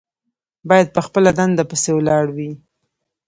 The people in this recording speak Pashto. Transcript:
باید په خپله دنده پسې ولاړ وي.